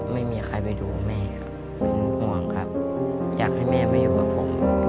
ไม่มีใครไปดูแม่ครับผมห่วงครับอยากให้แม่มาอยู่กับผม